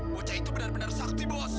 bocah itu benar benar sakti bos